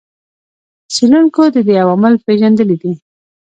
څېړونکو د دې عوامل پېژندلي دي.